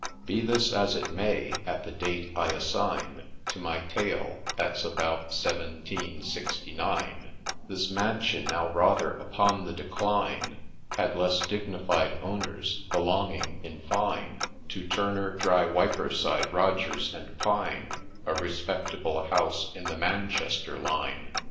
— Be this as it may, — at the date I assign To my tale, — that 'a about Seventeen Sixty Nine, — This mansion, now rather upon the decline, Had less dignified owners, — belonging, in fine, To Turner, Dry, Weipersyde, Rogers, and Pyne — A respectable House in the Manchester line.